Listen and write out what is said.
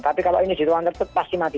tapi kalau ini di ruang tertutup pasti mati